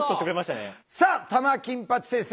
さあ玉金八先生